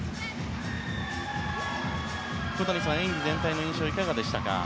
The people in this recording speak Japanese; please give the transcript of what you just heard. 小谷さん、演技全体の印象はいかがでしたか？